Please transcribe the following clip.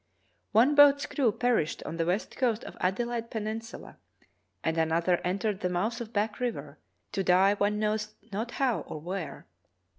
" One boat's crew perished on the west coast of Ade laide Peninsula, and another entered the mouth of Back River, to die one knows not how or where.